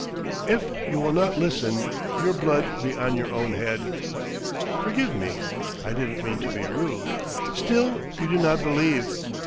"If you will not listen, your blood be on your own head." "Forgive me. I didn't mean to be rude...." "Still, you do not believe!"